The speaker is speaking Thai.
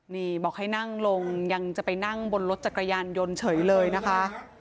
นี่บอกให้นั่งลงยังจะไปนั่งบนรถจักรยานยนต์เฉยเลยนะคะ